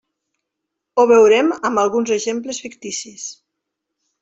Ho veurem amb alguns exemples ficticis.